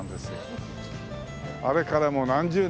あれからもう何十年。